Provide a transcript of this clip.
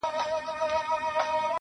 دا څه ليونى دی بيـا يـې وويـل.